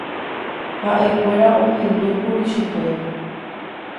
Ha'ekuéra ohendúkuri chupe.